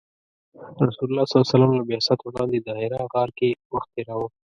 رسول الله ﷺ له بعثت وړاندې د حرا غار کې وخت تیراوه .